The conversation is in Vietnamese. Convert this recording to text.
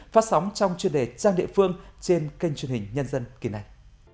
phát sóng trong chuyên đề trang địa phương trên kênh truyền hình nhân dân kỳ này